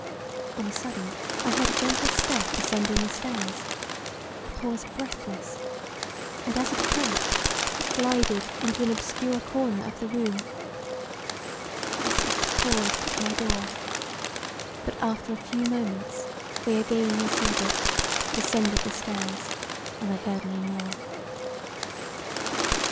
On a sudden I heard a gentle step ascending the stairs; I paused breathless, and as it approached glided into an obscure corner of the room; the steps paused at my door, but after a few moments they again receeded[,] descended the stairs and I heard no more.